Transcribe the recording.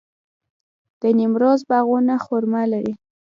د نیمروز باغونه خرما لري.